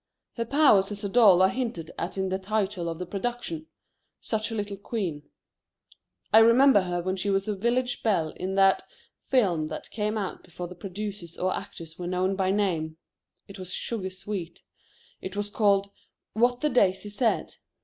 Her powers as a doll are hinted at in the title of the production: Such a Little Queen. I remember her when she was a village belle in that film that came out before producers or actors were known by name. It was sugar sweet. It was called: What the Daisy Said.